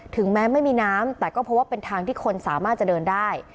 ถึงแม้ไม่มีน้ำแต่ก็เพราะว่าเป็นทางที่คนสามารถจะเดินได้